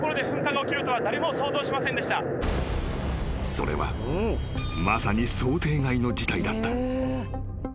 ［それはまさに想定外の事態だった］